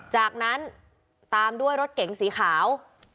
จากนั้นตามด้วยรถเก๋งสีขาว